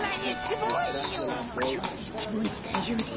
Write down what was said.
「超Ｈボーイ」でだいじょうぶです。